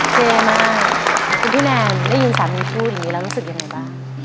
เท่มากคุณพี่แนนได้ยินสามีพูดอย่างนี้แล้วรู้สึกยังไงบ้าง